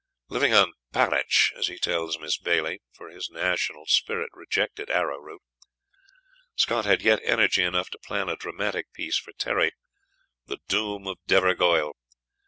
Living on "parritch," as he tells Miss Baillie (for his national spirit rejected arrowroot), Scott had yet energy enough to plan a dramatic piece for Terry, "The Doom of Devorgoil."